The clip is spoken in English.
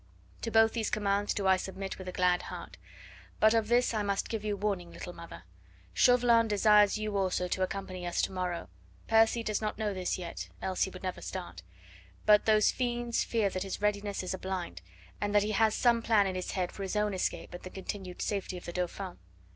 To both these commands do I submit with a glad heart. But of this must I give you warning, little mother Chauvelin desires you also to accompany us to morrow.... Percy does not know this yet, else he would never start. But those fiends fear that his readiness is a blind... and that he has some plan in his head for his own escape and the continued safety of the Dauphin....